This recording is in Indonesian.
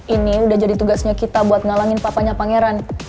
ini udah jadi tugasnya kita buat ngalangin papanya pangeran